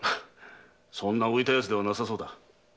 そんな浮いた奴ではなさそうだ。